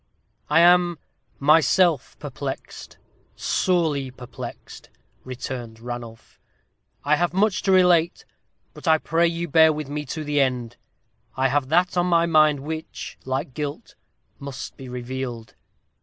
"I am myself perplexed sorely perplexed," returned Ranulph. "I have much to relate; but I pray you bear with me to the end. I have that on my mind which, like guilt, must be revealed."